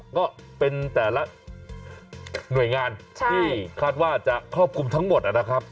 ก็เป็นแต่ละหน่วยงานที่คาดว่าจะครอบคลุมทั้งหมดนะครับ